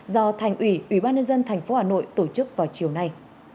do thành ủy ủy ban nhân dân thành phố hà nội tổ chức vào chiều nay